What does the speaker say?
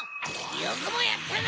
よくもやったな！